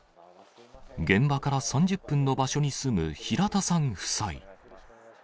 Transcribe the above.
現場から３０分の場所に住む平田さん夫妻。